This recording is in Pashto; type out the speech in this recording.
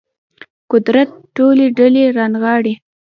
قدرت ټولې ډلې رانغاړي